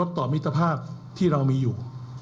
ต่อมิตรภาพที่เรามีอยู่